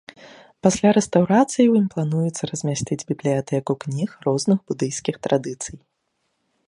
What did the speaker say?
Пасля рэстаўрацыі ў ім плануецца размясціць бібліятэку кніг розных будыйскіх традыцый.